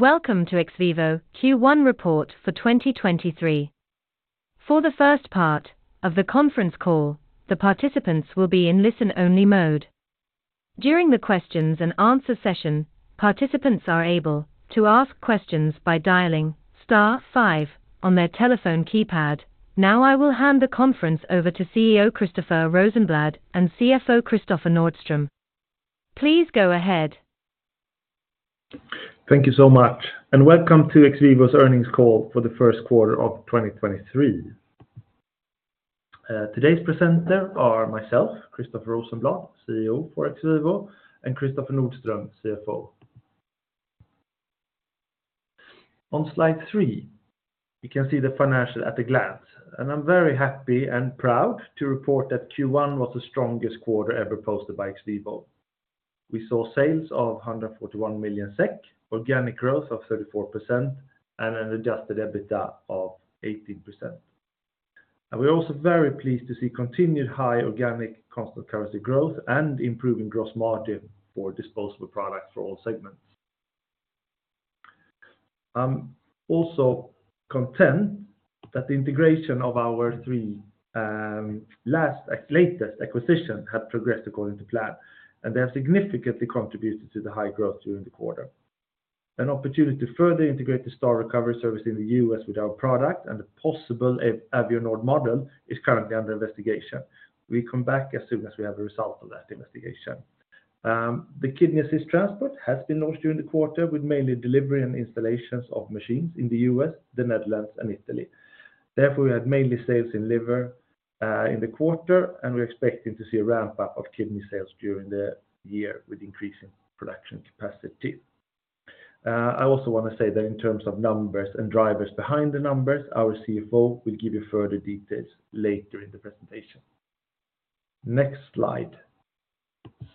Welcome to XVIVO Q1 report for 2023. For the first part of the conference call, the participants will be in listen-only mode. During the questions and answer session, participants are able to ask questions by dialing star five on their telephone keypad. Now I will hand the conference over to Chief Executive Officer, Christoffer Rosenblad and Chief Financial Officer, Kristoffer Nordström. Please go ahead. Thank you so much. Welcome to XVIVO's earnings call for the first quarter of 2023. Today's presenters are myself, Christoffer Rosenblad, Chief Executive Officer for XVIVO, and Kristoffer Nordström, Chief Financial Officer. On slide three, you can see the financial at a glance. I'm very happy and proud to report that Q1 was the strongest quarter ever posted by XVIVO. We saw sales of 141 million SEK, organic growth of 34% and an adjusted EBITDA of 18%. We're also very pleased to see continued high organic constant currency growth and improving gross margin for disposable products for all segments. Also content that the integration of our three latest acquisition had progressed according to plan, and they have significantly contributed to the high growth during the quarter. An opportunity to further integrate the STAR Teams recovery service in the U.S. with our product and the possible Avionord model is currently under investigation. We come back as soon as we have a result of that investigation. The Kidney Assist Transport has been launched during the quarter with mainly delivery and installations of machines in the U.S., the Netherlands and Italy. Therefore, we had mainly sales in Liver Assist in the quarter, and we're expecting to see a ramp-up of kidney sales during the year with increasing production capacity. I also wanna say that in terms of numbers and drivers behind the numbers, our Chief Financial Officer will give you further details later in the presentation. Next slide.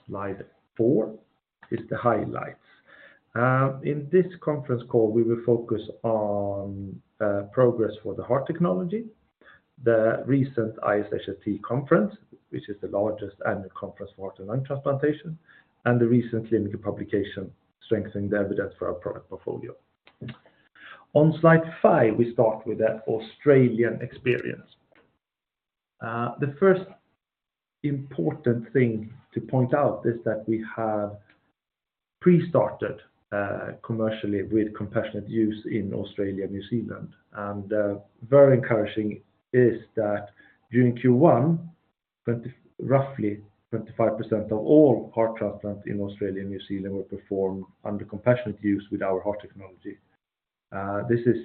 slide four is the highlights. In this conference call, we will focus on progress for the heart technology, the recent ISHLT conference, which is the largest annual conference for heart and lung transplantation, and the recent clinical publication strengthening the evidence for our product portfolio. On slide five, we start with that Australian experience. The first important thing to point out is that we have pre-started commercially with compassionate use in Australia and New Zealand. Very encouraging is that during Q1, roughly 25% of all heart transplants in Australia and New Zealand were performed under compassionate use with our heart technology. This is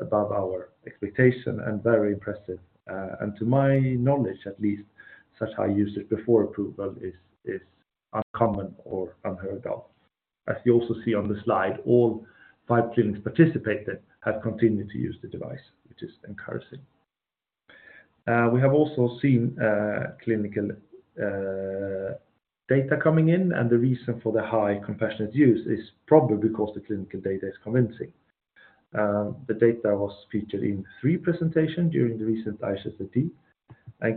above our expectation and very impressive, and to my knowledge, at least such high usage before approval is uncommon or unheard of. As you also see on the slide, all five clinics participated have continued to use the device, which is encouraging. We have also seen clinical data coming in. The reason for the high compassionate use is probably because the clinical data is convincing. The data was featured in three presentation during the recent ISHLT.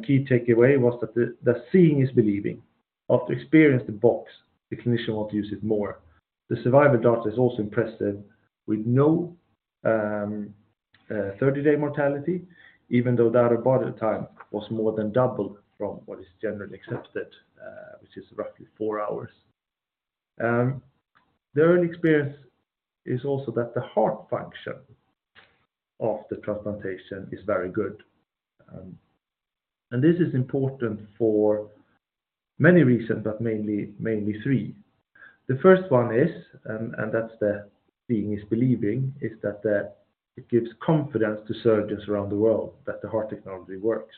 Key takeaway was that the seeing is believing. After experience the box, the clinician want to use it more. The survival data is also impressive with no 30-day mortality, even though the out-of-body time was more than double from what is generally accepted, which is roughly four hours. The early experience is also that the heart function of the transplantation is very good. This is important for many reasons, but mainly three. The first one is, that's the seeing is believing, it gives confidence to surgeons around the world that the heart technology works.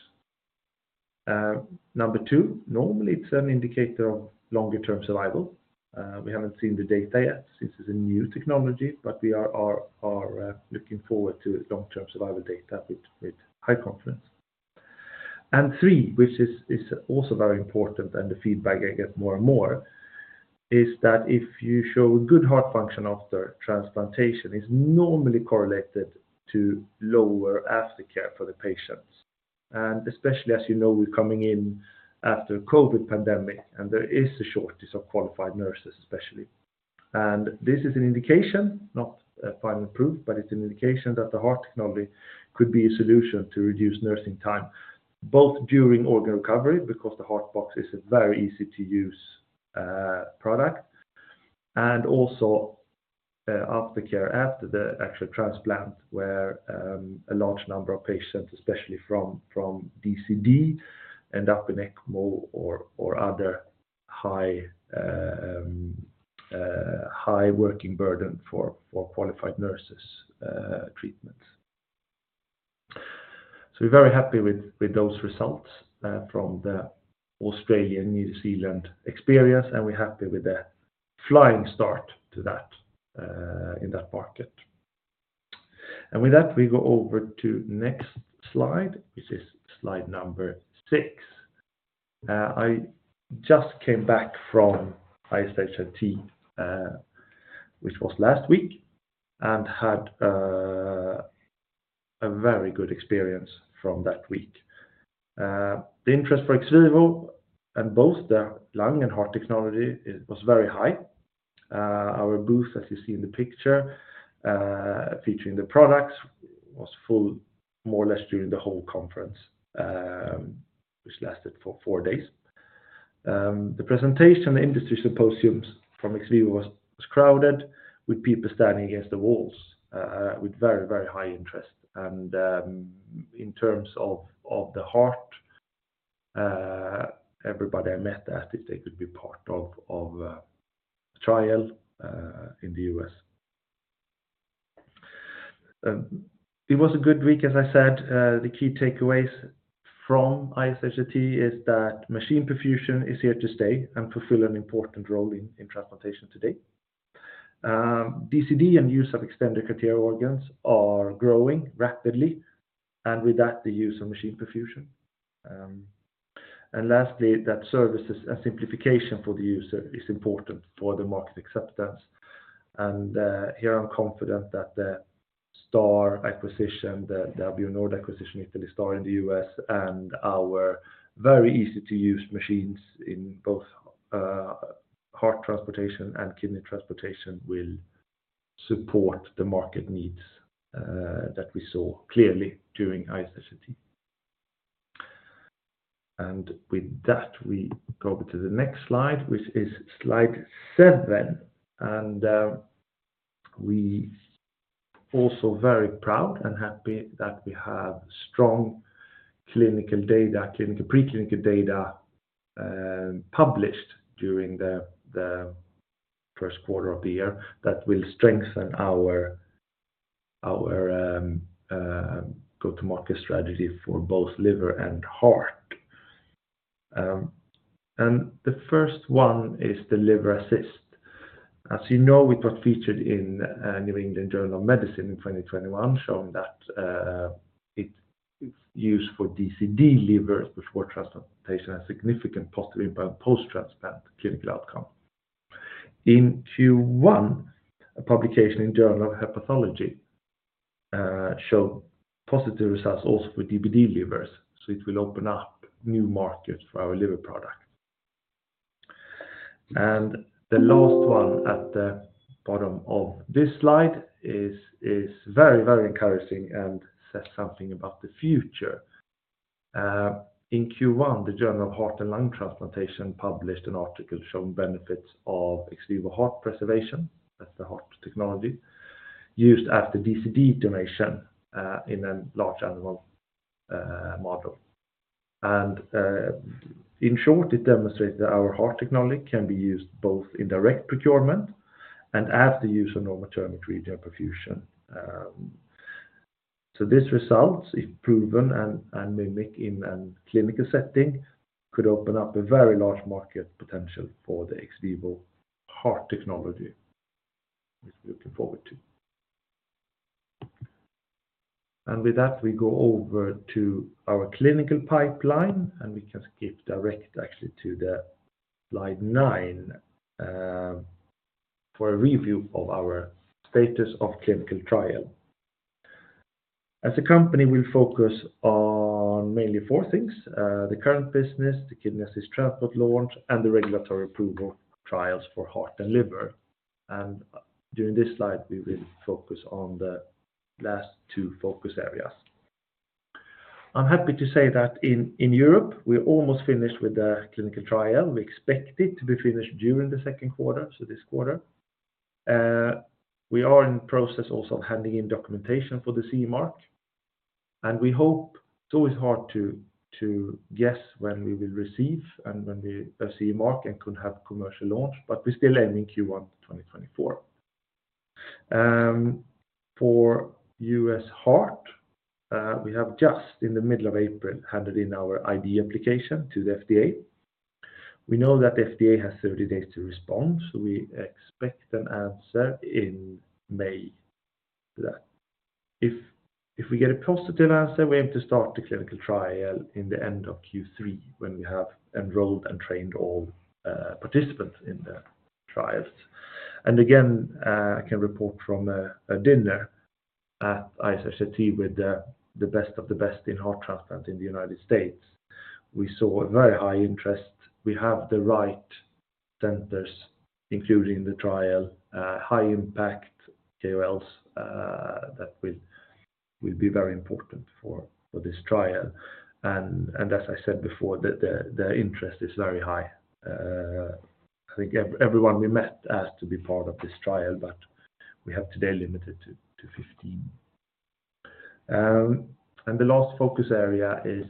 Number two, normally, it's an indicator of longer-term survival. We haven't seen the data yet since it's a new technology, but we are looking forward to long-term survival data with high confidence. three, which is also very important, and the feedback I get more and more is that if you show good heart function after transplantation, it's normally correlated to lower aftercare for the patients, and especially as you know, we're coming in after COVID pandemic, and there is a shortage of qualified nurses especially. This is an indication, not a final proof, but it's an indication that the heart technology could be a solution to reduce nursing time, both during organ recovery because the heart box is a very easy to use product and also, aftercare after the actual transplant where a large number of patients, especially from DCD end up in ECMO or other high working burden for qualified nurses, treatments. We're very happy with those results from the Australian, New Zealand experience, and we're happy with the flying start to that in that market. With that, we go over to next slide, which is slide number 6. I just came back from ISHLT, which was last week and had a very good experience from that week. The interest for XVIVO and both the lung and heart technology, it was very high. Our booth, as you see in the picture, featuring the products was full more or less during the whole conference, which lasted for four days. The presentation industry symposiums from XVIVO was crowded with people standing against the walls, with very, very high interest. In terms of the heart, everybody I met asked if they could be part of trial in the U.S. It was a good week, as I said, the key takeaways from ISHLT is that machine perfusion is here to stay and fulfill an important role in transplantation today. DCD and use of extended criteria organs are growing rapidly, with that, the use of machine perfusion. Lastly, that services and simplification for the user is important for the market acceptance. Here I'm confident that the Star acquisition, the Avionord acquisition with the Star in the U.S. and our very easy-to-use machines in both heart transplantation and kidney transplantation will support the market needs that we saw clearly during ISHLT. With that, we go to the next slide, which is slide seven. We also very proud and happy that we have strong clinical data, preclinical data, published during the first quarter of the year that will strengthen our go-to-market strategy for both liver and heart. The first one is the Liver Assist. As you know, it was featured in The New England Journal of Medicine in 2021, showing that it's used for DCD livers, which for transplantation has significant positive impact post-transplant clinical outcome. In Q1, a publication in Journal of Hepatology showed positive results also for DBD livers, so it will open up new markets for our liver product. The last one at the bottom of this slide is very, very encouraging and says something about the future. In Q1, The Journal of Heart and Lung Transplantation published an article showing benefits of XVIVO heart preservation. That's the heart technology used after DCD donation, in a large animal model. In short, it demonstrated that our heart technology can be used both in direct procurement and after use of normothermic regional perfusion. This result, if proven and mimic in a clinical setting, could open up a very large market potential for the XVIVO heart technology, which we're looking forward to. With that, we go over to our clinical pipeline, and we can skip direct actually to the slide 9 for a review of our status of clinical trial. As a company, we focus on mainly four things, the current business, the Kidney Assist Transport launch, and the regulatory approval trials for heart and liver. During this slide, we will focus on the last two focus areas. I'm happy to say that in Europe, we're almost finished with the clinical trial. We expect it to be finished during the second quarter, so this quarter. We are in process also of handing in documentation for the CE mark. We hope it's always hard to guess when we will receive and when the CE mark and could have commercial launch, but we still aim in Q1 2024. For U.S. heart, we have just in the middle of April, handed in our ID application to the FDA. We know that FDA has 30 days to respond, so we expect an answer in May. If we get a positive answer, we aim to start the clinical trial in the end of Q3 when we have enrolled and trained all participants in the trials. Again, I can report from a dinner at ISHLT with the best of the best in heart transplant in the United States. We saw a very high interest. We have the right centers, including the trial, high impact KOLs that will be very important for this trial. As I said before, the interest is very high. I think everyone we met asked to be part of this trial, we have today limited to 15. The last focus area is,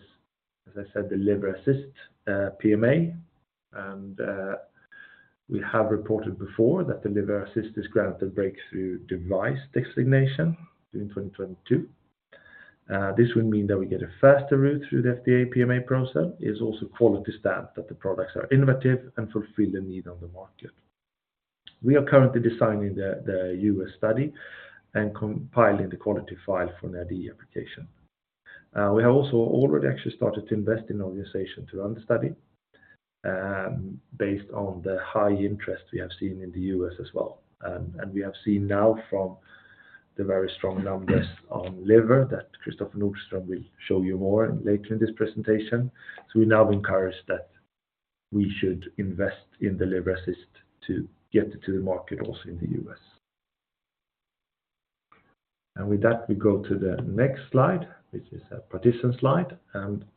as I said, the Liver Assist PMA. We have reported before that the Liver Assist is granted Breakthrough Device Designation during 2022. This will mean that we get a faster route through the FDA PMA process. It's also quality stamp that the products are innovative and fulfill the need on the market. We are currently designing the U.S. study and compiling the quality file for an IDE application. We have also already actually started to invest in organization to run the study based on the high interest we have seen in the U.S. as well. We have seen now from the very strong numbers on liver that Kristoffer Nordström will show you more later in this presentation. We now encourage that we should invest in the Liver Assist to get to the market also in the U.S. With that, we go to the next slide, which is a partisan slide.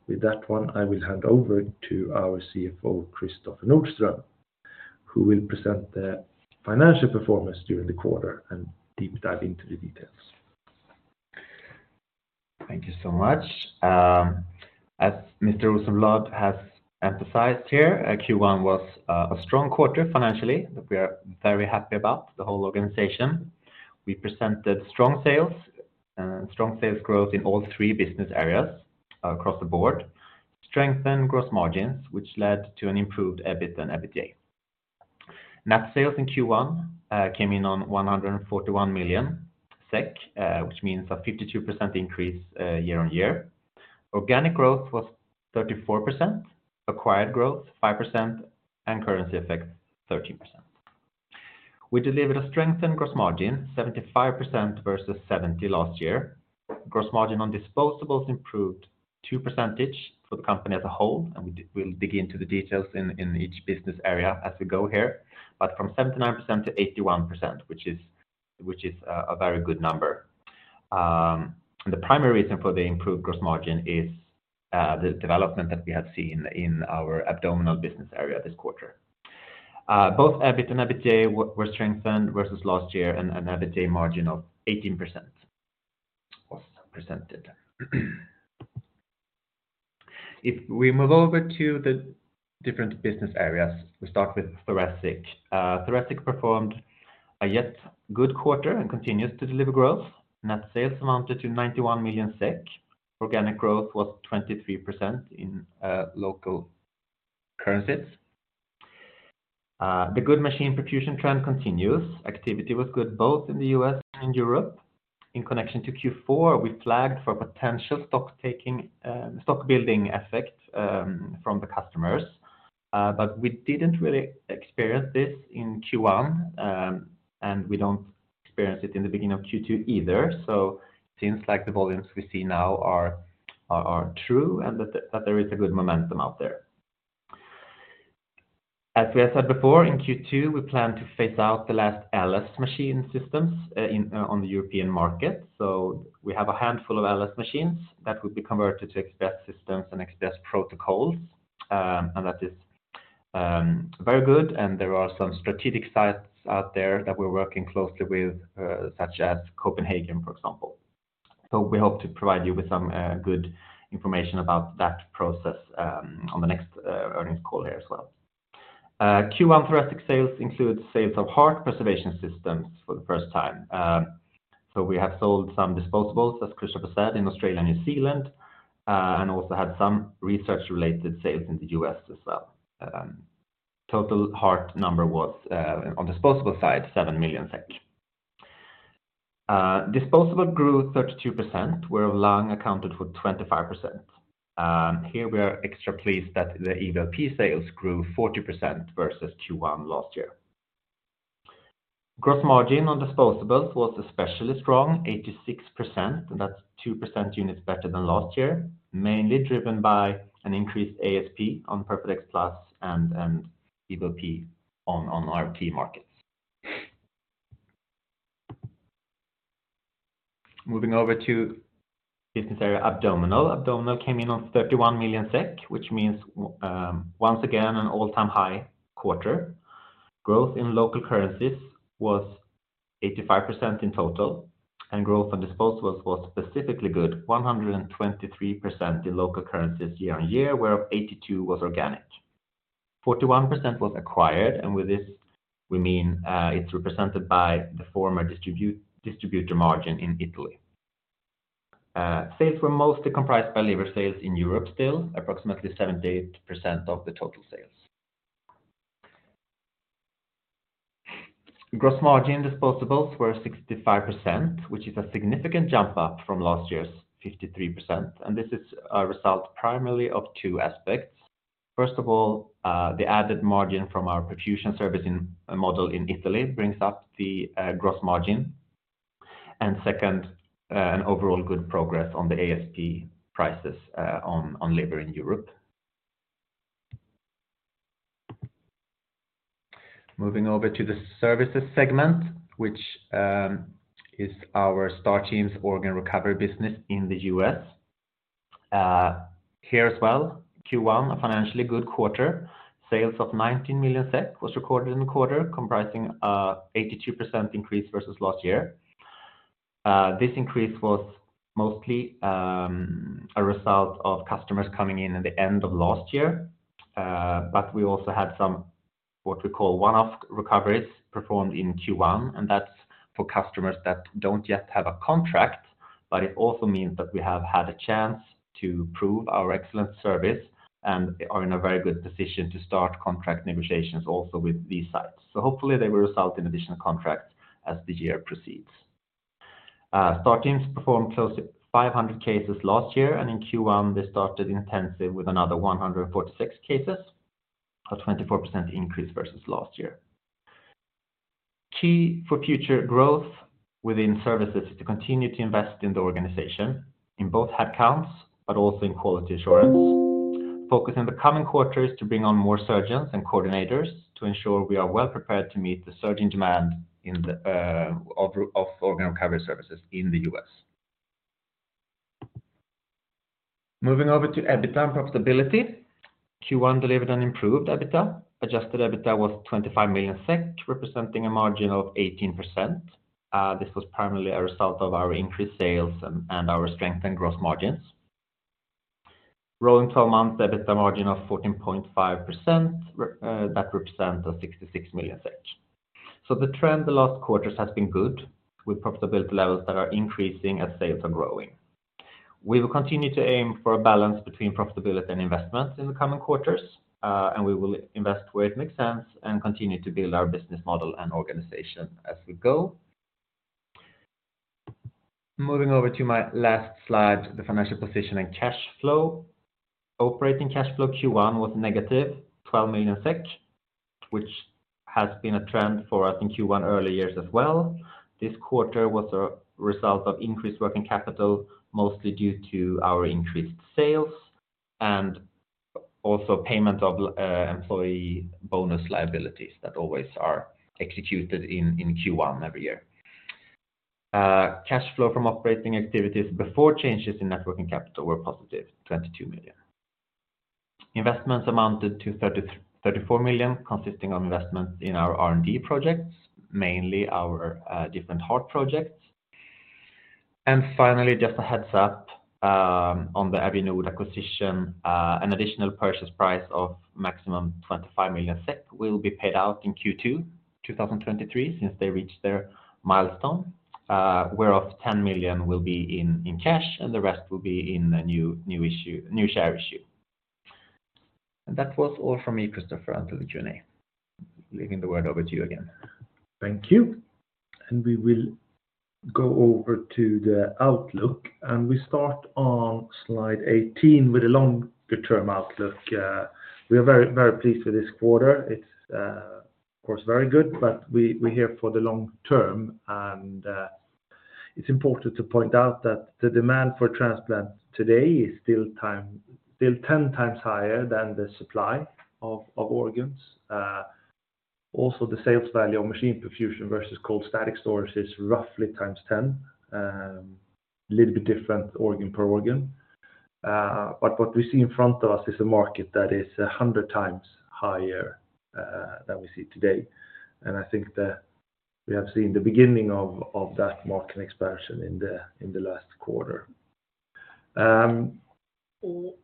With that one, I will hand over to our Chief Financial Officer, Kristoffer Nordström, who will present the financial performance during the quarter and deep dive into the details. Thank you so much. As Mr. Rosenblad has emphasized here, Q1 was a strong quarter financially that we are very happy about, the whole organization. We presented strong sales, strong sales growth in all three business areas across the board, strengthened gross margins, which led to an improved EBIT and EBITDA. Net sales in Q1 came in on 141 million SEK, which means a 52% increase year-on-year. Organic growth was 34%, acquired growth 5%, and currency effect 13%. We delivered a strengthened gross margin 75% versus 70% last year. Gross margin on disposables improved 2 percentage for the company as a whole, and we'll dig into the details in each business area as we go here. From 79% to 81%, which is a very good number. The primary reason for the improved gross margin is the development that we have seen in our abdominal business area this quarter. Both EBIT and EBITDA were strengthened versus last year, and an EBITDA margin of 18% was presented. If we move over to the different business areas, we start with thoracic. Thoracic performed a yet good quarter and continues to deliver growth. Net sales amounted to 91 million SEK. Organic growth was 23% in local currencies. The good machine perfusion trend continues. Activity was good both in the U.S. and Europe. In connection to Q4, we flagged for potential stock taking, stock building effect from the customers. We didn't really experience this in Q1, and we don't experience it in the beginning of Q2 either. It seems like the volumes we see now are true and that there is a good momentum out there. As we have said before, in Q2, we plan to phase out the last LS machine systems in, on the European market. We have a handful of LS machines that will be converted to Express systems and Express protocols. That is very good. There are some strategic sites out there that we're working closely with, such as Copenhagen, for example. We hope to provide you with some good information about that process on the next earnings call here as well. Q1 thoracic sales include sales of heart preservation systems for the first time. We have sold some disposables, as Christoffer said, in Australia and New Zealand, and also had some research related sales in the U.S. as well. Total heart number was on disposable side, 7 million SEK. Disposable grew 32%, where lung accounted for 25%. Here we are extra pleased that the EVLP sales grew 40% versus Q1 last year. Gross margin on disposables was especially strong, 86%, and that's 2 percent units better than last year, mainly driven by an increased ASP on PERFADEX Plus and EVLP on RTP markets. Moving over to business area, abdominal. Abdominal came in on 31 million SEK, which means once again, an all-time high quarter. Growth in local currencies was 85% in total, growth on disposables was specifically good, 123% in local currencies year-over-year, where 82% was organic. 41% was acquired, with this we mean, it's represented by the former distributor margin in Italy. Sales were mostly comprised by liver sales in Europe still, approximately 78% of the total sales. Gross margin disposables were 65%, which is a significant jump up from last year's 53%. This is a result primarily of two aspects. First of all, the added margin from our perfusion service model in Italy brings up the gross margin. Second, an overall good progress on the ASP prices on liver in Europe. Moving over to the services segment, which is our STAR Teams' organ recovery business in the U.S. Here as well, Q1, a financially good quarter. Sales of 19 million SEK was recorded in the quarter, comprising a 82% increase versus last year. This increase was mostly a result of customers coming in at the end of last year. We also had some, what we call one-off recoveries performed in Q1, and that's for customers that don't yet have a contract. It also means that we have had a chance to prove our excellent service. And are in a very good position to start contract negotiations also with these sites. Hopefully they will result in additional contracts as the year proceeds. STAR Teams performed close to 500 cases last year, and in Q1, they started intensive with another 146 cases, a 24% increase versus last year. Key for future growth within services is to continue to invest in the organization in both headcounts, but also in quality assurance. Focus in the coming quarters to bring on more surgeons and coordinators to ensure we are well prepared to meet the surgeon demand in the organ recovery services in the U.S. Moving over to EBITDA and profitability. Q1 delivered an improved EBITDA. Adjusted EBITDA was 25 million SEK, representing a margin of 18%. This was primarily a result of our increased sales and our strength and gross margins. Rolling 12 month EBITDA margin of 14.5% that represents 66 million. The trend the last quarters has been good, with profitability levels that are increasing as sales are growing. We will continue to aim for a balance between profitability and investments in the coming quarters. We will invest where it makes sense and continue to build our business model and organization as we go. Moving over to my last slide, the financial position and cash flow. Operating cash flow Q1 was negative 12 million SEK, which has been a trend for us in Q1 early years as well. This quarter was a result of increased working capital, mostly due to our increased sales and also payment of employee bonus liabilities that always are executed in Q1 every year. Cash flow from operating activities before changes in net working capital were positive 22 million. Investments amounted to 34 million, consisting of investments in our R&D projects, mainly our different heart projects. Finally, just a heads up, on the Avionord acquisition, an additional purchase price of maximum 25 million SEK will be paid out in Q2, 2023, since they reached their milestone, whereof 10 million will be in cash, and the rest will be in a new share issue. That was all from me, Christoffer, until the Q&A. Leaving the word over to you again. Thank you. We will go over to the outlook, and we start on slide 18 with a longer term outlook. We are very, very pleased with this quarter. It's, of course, very good, but we're here for the long term. It's important to point out that the demand for transplant today is still 10 times higher than the supply of organs. Also the sales value of machine perfusion versus static cold storage is roughly times 10, a little bit different organ per organ. What we see in front of us is a market that is 100 times higher than we see today. I think that we have seen the beginning of that market expansion in the last quarter.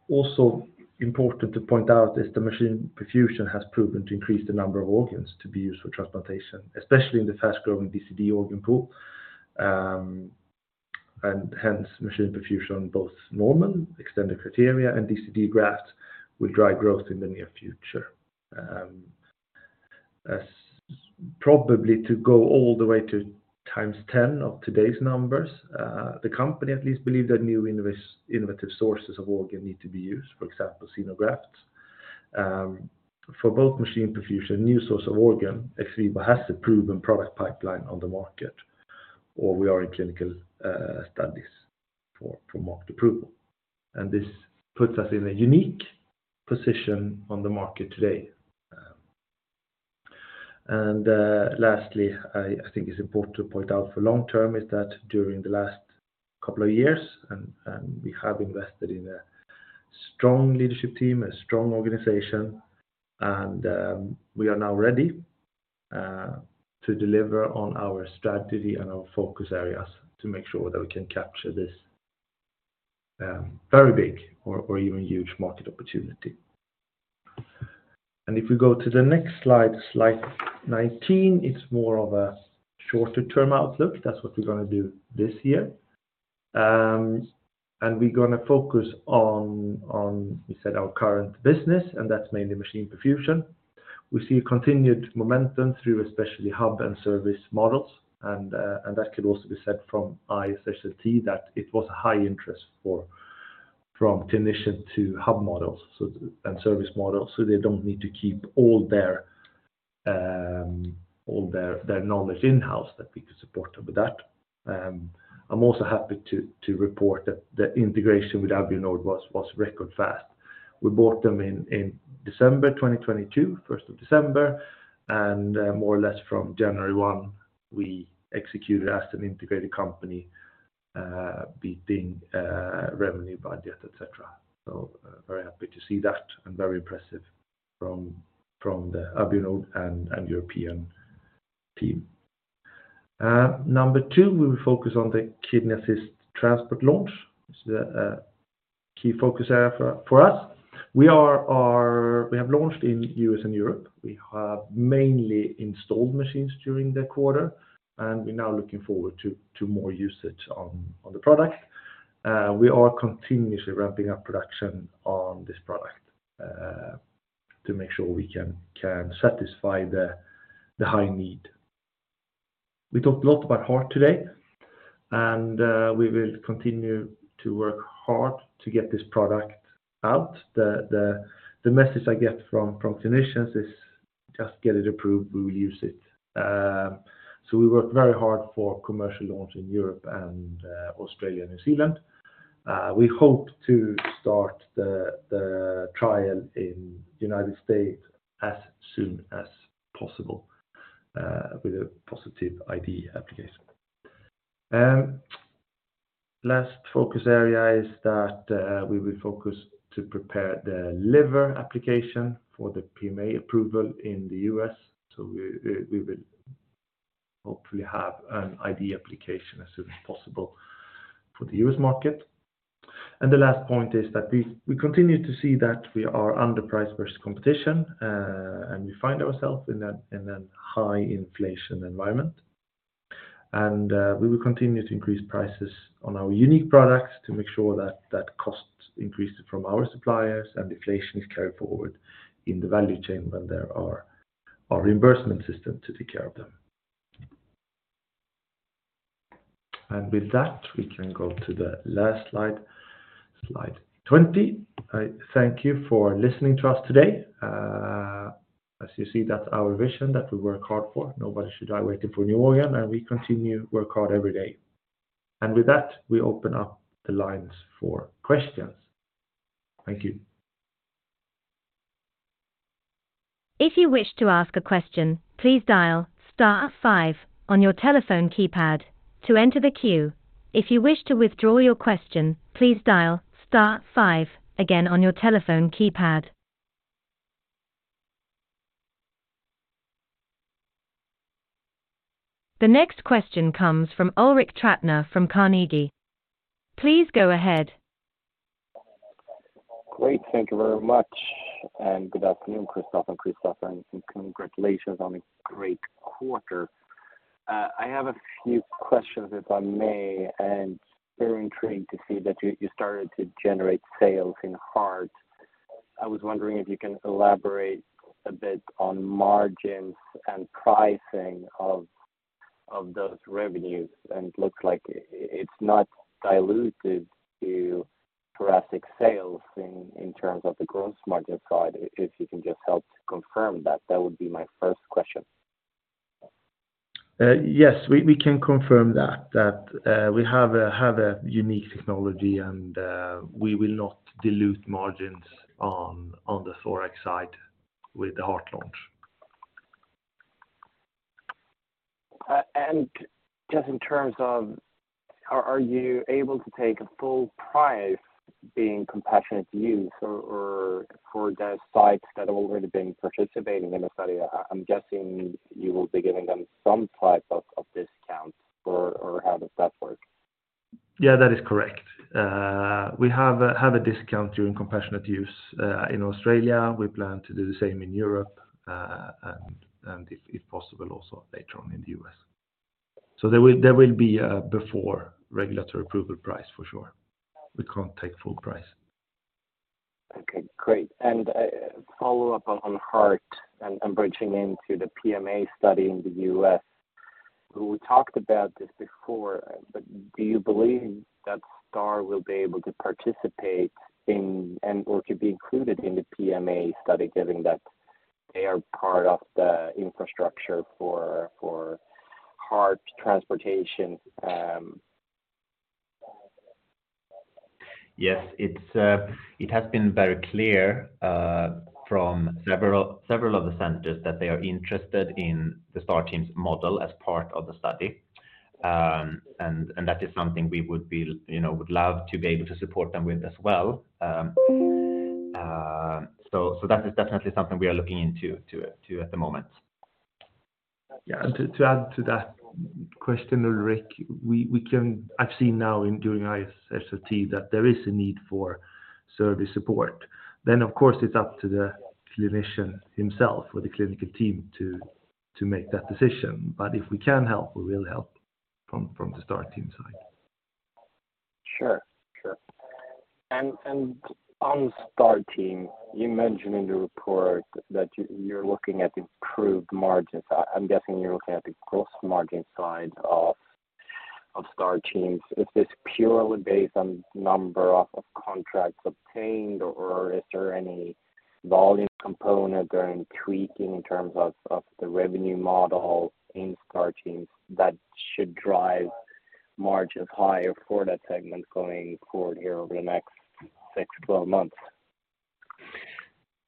Also important to point out is the machine perfusion has proven to increase the number of organs to be used for transplantation, especially in the fast-growing DCD organ pool. Hence, machine perfusion, both normal, extended criteria, and DCD grafts will drive growth in the near future. As probably to go all the way to times 10 of today's numbers, the company at least believe that innovative sources of organ need to be used, for example, xenografts. For both machine perfusion and new source of organ, XVIVO has a proven product pipeline on the market, or we are in clinical studies for market approval. This puts us in a unique position on the market today. Lastly, I think it's important to point out for long term is that during the last couple of years and we have invested in a strong leadership team, a strong organization, and we are now ready to deliver on our strategy and our focus areas to make sure that we can capture this very big or even huge market opportunity. If we go to the next slide 19, it's more of a shorter term outlook. That's what we're gonna do this year. We're gonna focus on, we said, our current business, and that's mainly machine perfusion. We see continued momentum through especially hub and service models. That could also be said from ISHLT that it was a high interest for, from clinician to hub models and service models, so they don't need to keep all their, all their knowledge in-house that we could support them with that. I'm also happy to report that the integration with Avionord was record fast. We bought them in December 2022, 1st of December, and more or less from January 1, we executed as an integrated company, beating revenue budget, etc.. Very happy to see that and very impressive from the Avionord and European team. Number two, we will focus on the Kidney Assist Transport launch. It's the key focus area for us. We have launched in U.S. and Europe. We have mainly installed machines during the quarter, and we're now looking forward to more usage on the product. We are continuously ramping up production on this product to make sure we can satisfy the high need. We talked a lot about heart today, and we will continue to work hard to get this product out. The message I get from clinicians is just get it approved, we will use it. We work very hard for commercial launch in Europe and Australia and New Zealand. We hope to start the trial in United States as soon as possible with a positive IDE application. Last focus area is that we will focus to prepare the liver application for the PMA approval in the U.S. We will hopefully have an IDE application as soon as possible for the U.S. market. The last point is that we continue to see that we are underpriced versus competition, and we find ourselves in a high inflation environment. We will continue to increase prices on our unique products to make sure that cost increases from our suppliers and inflation is carried forward in the value chain when there are our reimbursement system to take care of them. With that, we can go to the last slide 20. I thank you for listening to us today. As you see, that's our vision that we work hard for. Nobody should die waiting for new organ, and we continue work hard every day. With that, we open up the lines for questions. Thank you. If you wish to ask a question, please dial star five on your telephone keypad to enter the queue. If you wish to withdraw your question, please dial star five again on your telephone keypad. The next question comes from Ulrik Trattner from Carnegie. Please go ahead. Great. Thank you very much. Good afternoon, Christoffer and Kristoffer, and congratulations on a great quarter. I have a few questions, if I may, and very intrigued to see that you started to generate sales in heart. I was wondering if you can elaborate a bit on margins and pricing of those revenues, and it looks like it's not dilutive to thoracic sales in terms of the gross margin side. If you can just help to confirm that would be my first question. Yes. We can confirm that we have a unique technology and we will not dilute margins on the ThorEx side with the heart launch. Just in terms of are you able to take a full price being compassionate use or for the sites that have already been participating in the study? I'm guessing you will be giving them some type of discount or how does that work? Yeah, that is correct. We have a discount during compassionate use in Australia. We plan to do the same in Europe and if possible also later on in the U.S. There will be a before regulatory approval price for sure. We can't take full price. Okay, great. A follow-up on heart and bridging into the PMA study in the U.S. We talked about this before, do you believe that Star will be able to participate in and/or to be included in the PMA study, given that they are part of the infrastructure for heart transportation? Yes. It has been very clear, from several of the centers that they are interested in the STAR Teams' model as part of the study. That is something we would be, you know, would love to be able to support them with as well. That is definitely something we are looking into at the moment. Yeah. To add to that question, Ulrik, we can. I've seen now in doing ISHLT that there is a need for service support. Of course, it's up to the clinician himself or the clinical team to make that decision. If we can help, we will help from the STAR Teams side. Sure. Sure. On STAR Teams, you mentioned in the report that you're looking at improved margins. I'm guessing you're looking at the gross margin side of STAR Teams. Is this purely based on number of contracts obtained, or is there any volume component or any tweaking in terms of the revenue model in STAR Teams that should drive margins higher for that segment going forward here over the next six-12 months?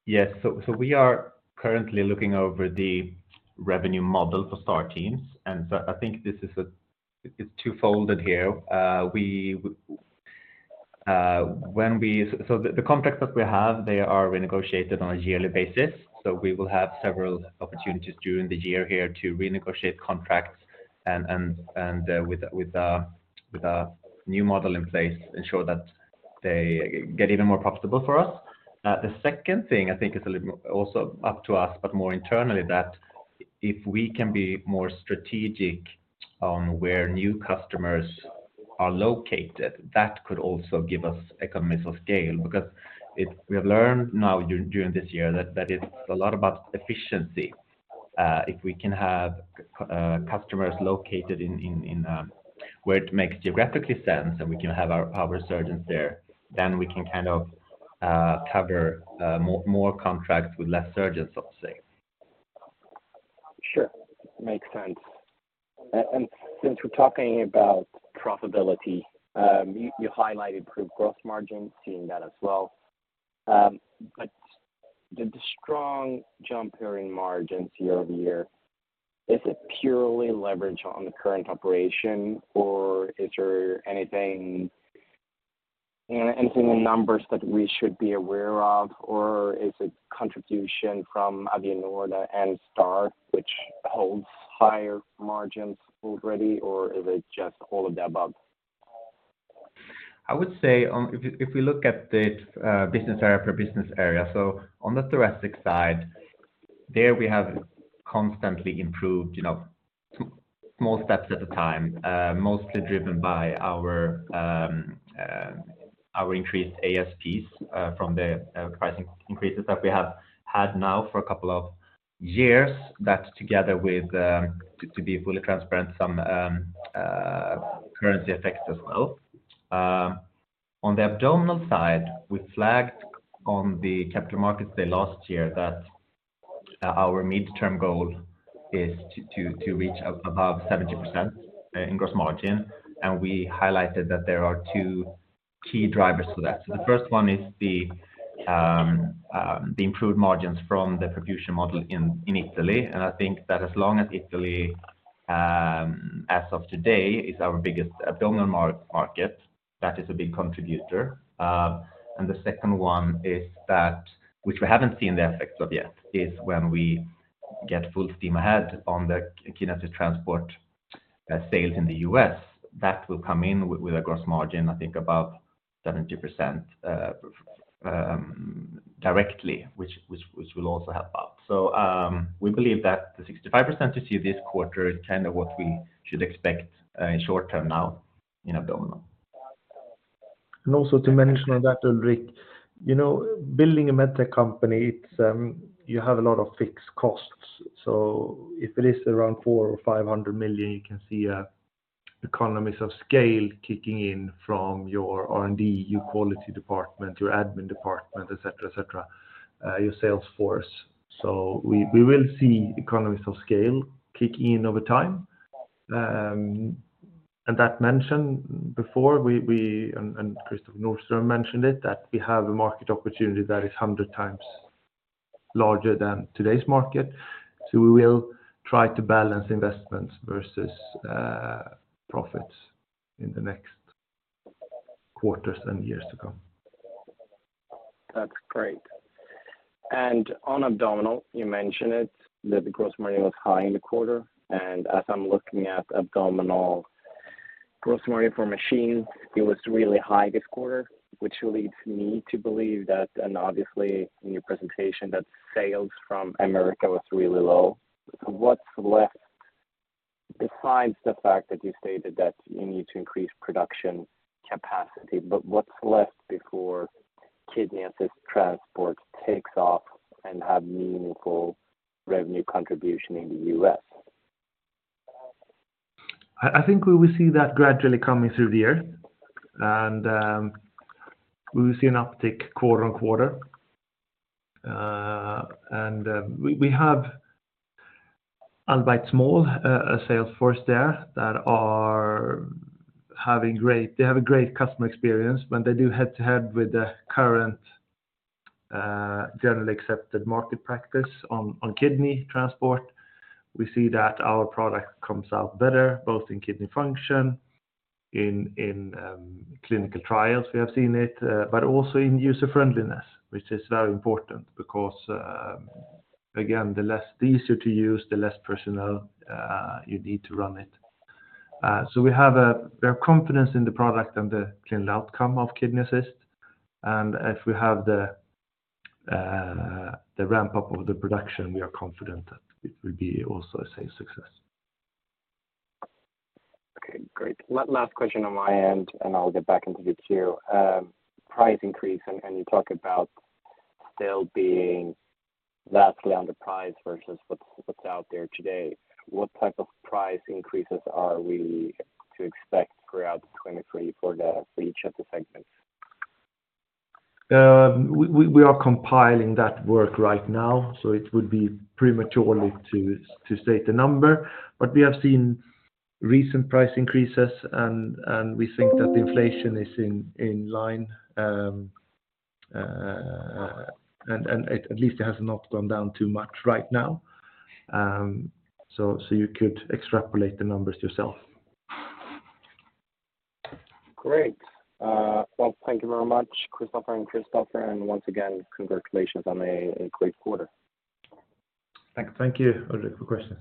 Yes. We are currently looking over the revenue model for STAR Teams. I think this is it's two-folded here. The contracts that we have, they are renegotiated on a yearly basis. We will have several opportunities during the year here to renegotiate contracts and with a new model in place ensure that they get even more profitable for us. The second thing I think is a little also up to us, but more internally that if we can be more strategic on where new customers are located, that could also give us economies of scale. Because we have learned now during this year that it's a lot about efficiency. If we can have customers located in, where it makes geographically sense, and we can have our surgeons there, then we can kind of, cover more contracts with less surgeons, let's say. Sure. Makes sense. Since we're talking about profitability, you highlighted improved growth margin, seeing that as well. The, the strong jump here in margins year-over-year, is it purely leverage on the current operation or is there anything in the numbers that we should be aware of, or is it contribution from Avionord and Star, which holds higher margins already, or is it just all of the above? I would say, if we look at the business area per business area, so on the thoracic side, there we have constantly improved, you know, small steps at a time, mostly driven by our increased ASPs from the pricing increases that we have had now for a couple of years. That together with, to be fully transparent, some currency effects as well. On the abdominal side, we flagged on the capital markets day last year that our midterm goal is to reach above 70% in gross margin. We highlighted that there are two key drivers to that. The first one is the improved margins from the perfusion model in Italy. I think that as long as Italy, as of today, is our biggest abdominal market, that is a big contributor. The second one is that, which we haven't seen the effects of yet, is when we get full steam ahead on the Kidney Assist Transport sales in the U.S., that will come in with a gross margin, I think about 70%, directly, which will also help out. We believe that the 65% you see this quarter is kind of what we should expect in short term now in abdominal. Also to mention on that, Ulrik, you know, building a med tech company, it's, you have a lot of fixed costs. If it is around 400 million-500 million, you can see economies of scale kicking in from your R&D, your quality department, your admin department, etc., etc., your sales force. We will see economies of scale kick in over time. And that mention before we, and Kristoffer Nordström mentioned it, that we have a market opportunity that is 100 times larger than today's market. We will try to balance investments versus profits in the next quarters and years to come. That's great. On abdominal, you mentioned it, that the gross margin was high in the quarter. As I'm looking at abdominal gross margin for machine, it was really high this quarter, which leads me to believe that, and obviously in your presentation, that sales from America was really low. What's left besides the fact that you stated that you need to increase production capacity, but what's left before Kidney Assist Transport takes off and have meaningful revenue contribution in the U.S.? I think we will see that gradually coming through the year. We will see an uptick quarter-on-quarter. We have, albeit small, a sales force there that have a great customer experience. When they do head-to-head with the current, generally accepted market practice on kidney transport, we see that our product comes out better, both in kidney function, in clinical trials we have seen it, but also in user friendliness, which is very important because again, the less easier to use, the less personnel you need to run it. We have confidence in the product and the clinical outcome of Kidney Assist. If we have the ramp-up of the production, we are confident that it will be also a same success. Okay, great. One last question on my end, and I'll get back into the queue. Price increase, and you talk about still being vastly underpriced versus what's out there today. What type of price increases are we to expect throughout 2023 for each of the segments? We are compiling that work right now, so it would be prematurely to state the number. We have seen recent price increases and we think that the inflation is in line. At least it has not gone down too much right now. You could extrapolate the numbers yourself. Great. Well, thank you very much, Christoffer and Kristoffer, and once again, congratulations on a great quarter. Thank you. Thank you, Ulrik, for questions.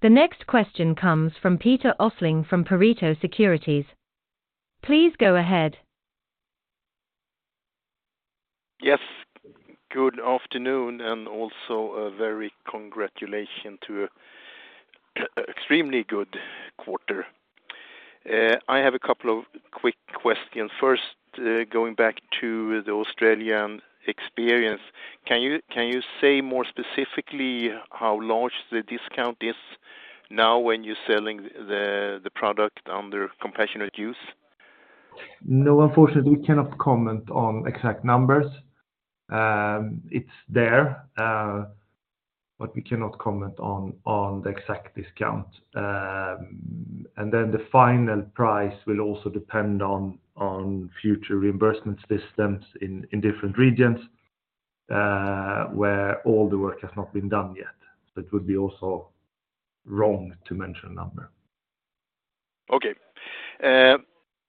The next question comes from Peter Öhling from Pareto Securities. Please go ahead. Yes. Good afternoon, and also a very congratulations to extremely good quarter. I have a couple of quick questions. First, going back to the Australian experience. Can you say more specifically how large the discount is now when you're selling the product under compassionate use? No, unfortunately, we cannot comment on exact numbers. It's there, but we cannot comment on the exact discount. The final price will also depend on future reimbursement systems in different regions, where all the work has not been done yet. It would be also wrong to mention a number. Okay.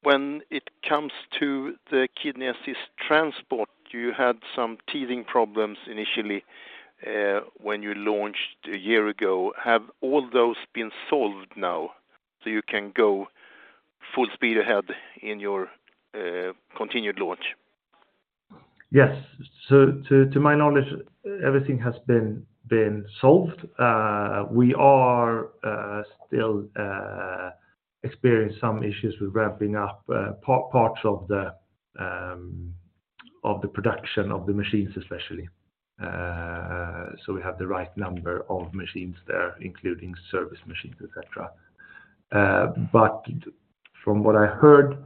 When it comes to the Kidney Assist Transport, you had some teething problems initially, when you launched a year ago. Have all those been solved now so you can go full speed ahead in your continued launch? Yes. To my knowledge, everything has been solved. We are still experience some issues with ramping up parts of the production of the machines, especially. We have the right number of machines there, including service machines, etc.. From what I heard,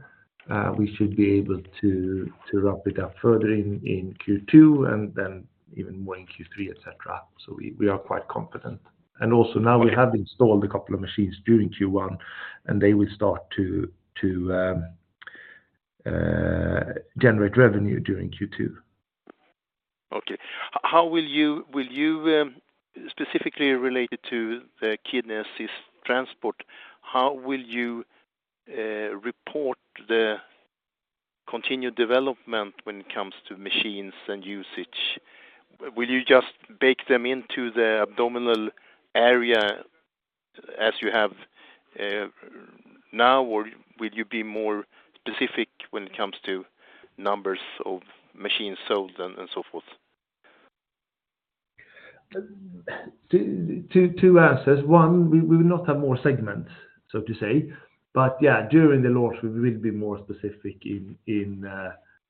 we should be able to wrap it up further in Q2 and then even more in Q3, etc.. We are quite confident. Also now we have installed a couple of machines during Q1, and they will start to generate revenue during Q2. Okay. How will you, specifically related to the Kidney Assist Transport, how will you report the continued development when it comes to machines and usage? Will you just bake them into the abdominal area as you have now, or will you be more specific when it comes to numbers of machines sold and so forth? Two answers. One, we will not have more segments, so to say. Yeah, during the launch, we will be more specific in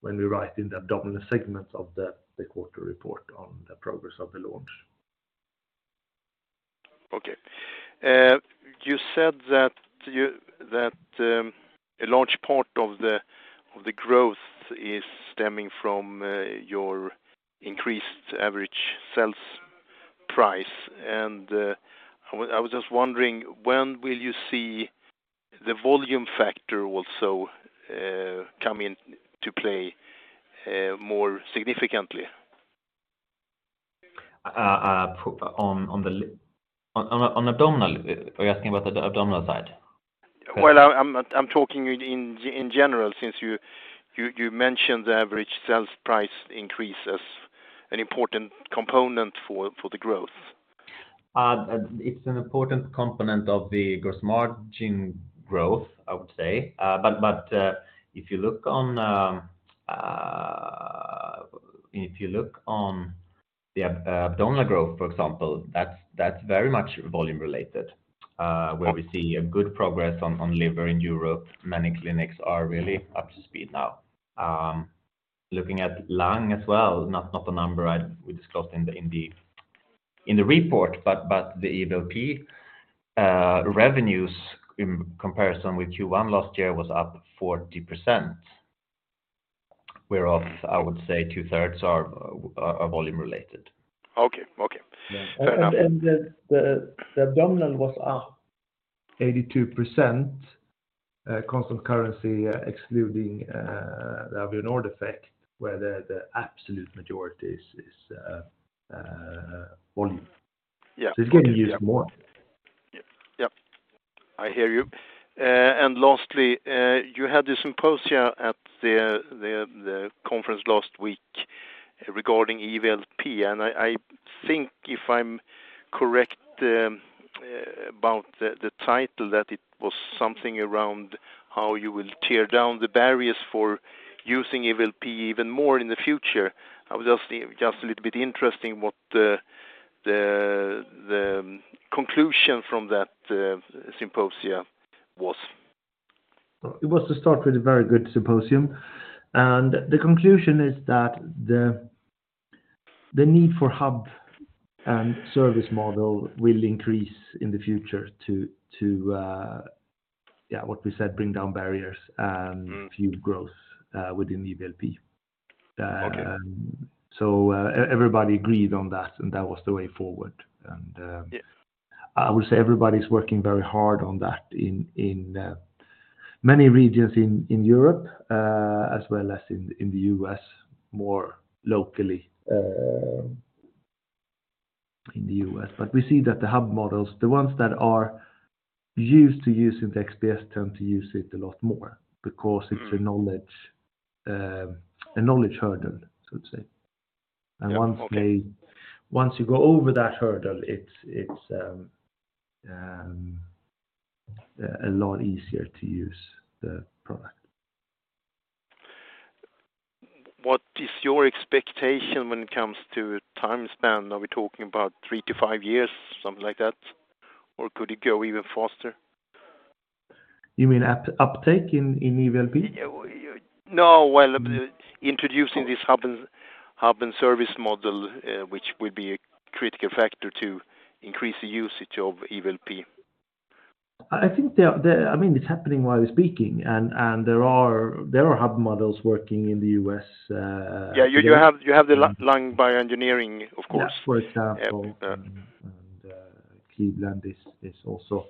when we write in the abdominal segments of the quarter report on the progress of the launch. Okay. You said that you that, a large part of the growth is stemming from your increased average sales price. I was just wondering, when will you see the volume factor also come in to play more significantly? On, on abdominal? Are you asking about the abdominal side? Well, I'm talking in general, since you mentioned the average sales price increase as an important component for the growth. It's an important component of the gross margin growth, I would say. If you look on the abdominal growth, for example, that's very much volume-related. Okay Where we see a good progress on liver in Europe. Many clinics are really up to speed now. Looking at lung as well, not a number we discussed in the report, but the EVLP revenues in comparison with Q1 last year was up 40%, where of, I would say two-thirds are volume-related. Okay, okay. The abdominal was up 82%, constant currency, excluding the Avionord effect, where the absolute majority is volume. Yeah. It's getting used more. Yeah. I hear you. Lastly, you had the symposia at the conference last week regarding EVLP. I think if I'm correct, about the title that it was something around how you will tear down the barriers for using EVLP even more in the future. I was just a little bit interesting what the conclusion from that symposia was? It was to start with a very good symposium. The conclusion is that the need for hub and service model will increase in the future to, yeah, what we said, bring down barriers. Mm-hmm Fuel growth, within EVLP. Okay Everybody agreed on that, and that was the way forward. Yes I would say everybody's working very hard on that in many regions in Europe, as well as in the U.S., more locally, in the U.S. We see that the hub models, the ones that are used to using the XPS tend to use it a lot more because it's a knowledge, a knowledge hurdle, so to say. And once you go over that hurdle, it's a lot easier to use the product. What is your expectation when it comes to time span? Are we talking about three to five-years, something like that? Could it go even faster? You mean at uptake in EVLP? No. Well, introducing this hub and service model, which will be a critical factor to increase the usage of EVLP. I think I mean, it's happening while we're speaking, and there are hub models working in the U.S. Yeah. You have the Lung Bioengineering, of course. Yeah, for example. Yeah. Cleveland is also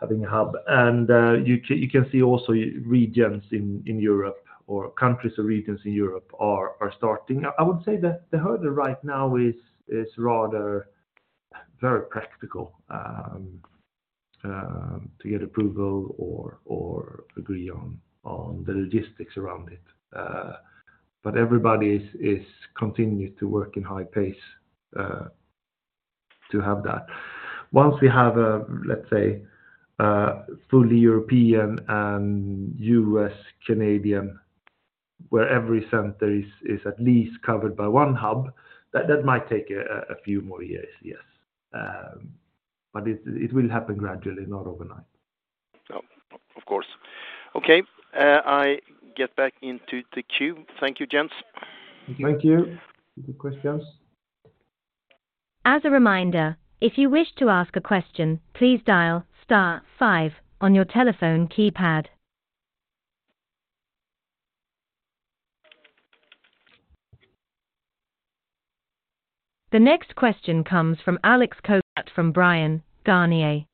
having a hub. You can see also regions in Europe or countries or regions in Europe are starting. I would say the hurdle right now is rather very practical to get approval or agree on the logistics around it. Everybody is continued to work in high pace to have that. Once we have, let's say, fully European and U.S., Canadian, where every center is at least covered by one hub, that might take a few more years, yes. It will happen gradually, not overnight. Oh. Of course. Okay. I get back into the queue. Thank you, gents. Thank you. Thank you for the questions. As a reminder, if you wish to ask a question, please dial star five on your telephone keypad. The next question comes from Alex Cogut from Bryan, Garnier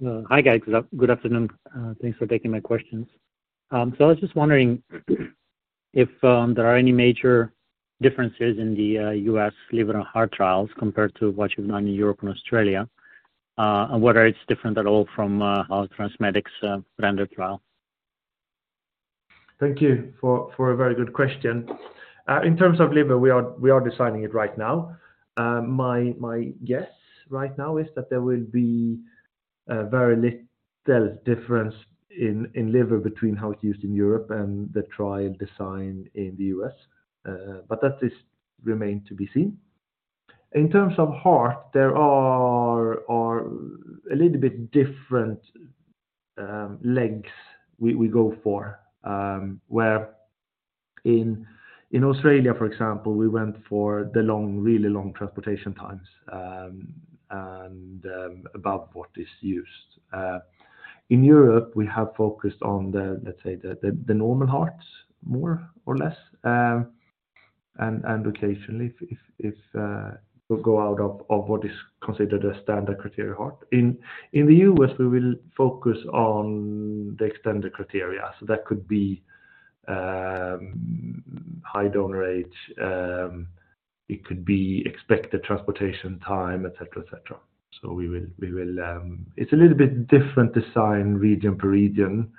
& Co. Well, hi, guys. Good afternoon. Thanks for taking my questions. I was just wondering if there are any major differences in the U.S. liver and heart trials compared to what you've done in Europe and Australia, and whether it's different at all from how TransMedics rendered trial? Thank you for a very good question. In terms of liver, we are designing it right now. My guess right now is that there will be very little difference in liver between how it's used in Europe and the trial design in the U.S., but that is remained to be seen. In terms of heart, there are a little bit different lengths we go for, where in Australia, for example, we went for the long, really long transportation times, and above what is used. In Europe, we have focused on the, let's say, the normal hearts, more or less, and occasionally if we go out of what is considered a standard criteria heart. In the U.S., we will focus on the extended criteria. That could be high donor age, it could be expected transportation time, etc., etc., It's a little bit different design region per region,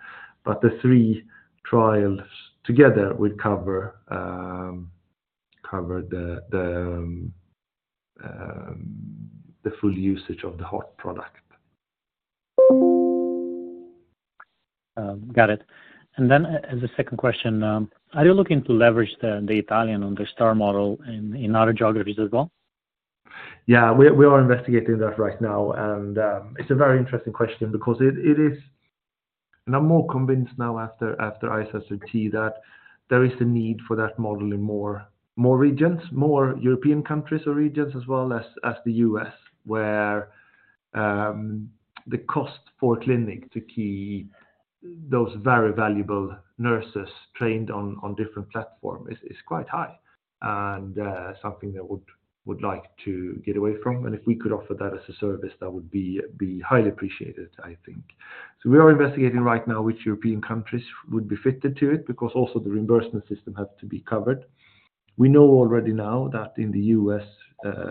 but the three trials together will cover the full usage of the heart product. Got it. As a second question, are you looking to leverage the Italian on the star model in other geographies as well? Yeah, we are investigating that right now. it's a very interesting question because it is. I'm more convinced now after ISRT, that there is the need for that model in more regions, more European countries or regions as well as the U.S., where the cost for a clinic to keep those very valuable nurses trained on different platform is quite high and something that we would like to get away from. If we could offer that as a service, that would be highly appreciated, I think. We are investigating right now which European countries would be fitted to it, because also the reimbursement system has to be covered. We know already now that in the U.S.,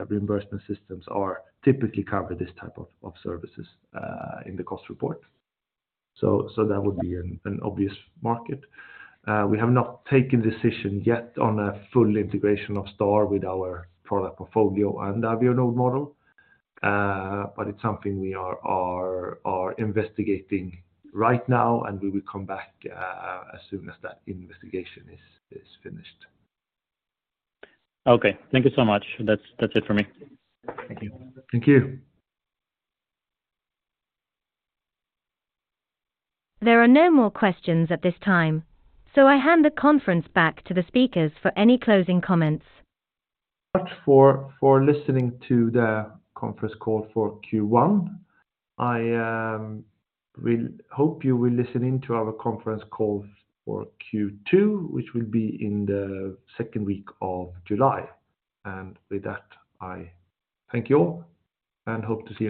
reimbursement systems are typically cover this type of services in the cost report. That would be an obvious market. We have not taken decision yet on a full integration of Star with our product portfolio and our VNO model, but it's something we are investigating right now. We will come back as soon as that investigation is finished. Okay. Thank you so much. That's it for me. Thank you. Thank you. There are no more questions at this time, so I hand the conference back to the speakers for any closing comments. Much for listening to the conference call for Q1. I will hope you will listen in to our conference call for Q2, which will be in the second week of July. With that, I thank you all and hope to see you again.